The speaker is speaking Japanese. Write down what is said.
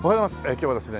今日はですね